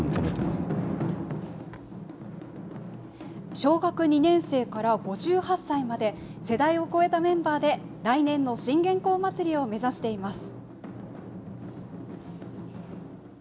小学２年生から５８歳まで、世代を超えたメンバーで、来年の信玄公祭りを目指しています。